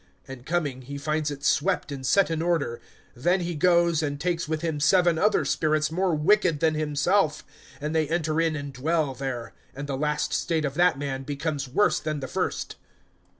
(25)And coming, he finds it swept and set in order. (26)Then he goes, and takes with him seven other spirits more wicked than himself, and they enter in and dwell there; and the last state of that man becomes worse than the first.